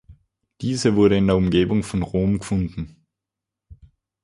Diese wurde in der Umgebung von Rom gefunden.